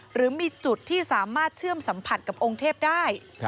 หรือมีจุดที่สามารถเชื่อมสัมผัสกับองค์เทพได้